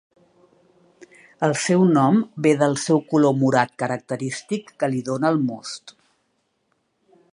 El seu nom ve del seu color morat característic que li dóna el most.